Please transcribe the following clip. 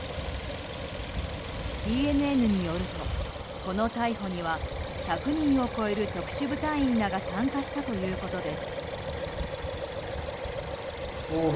ＣＮＮによると、この逮捕には１００人を超える特殊部隊員らが参加したということです。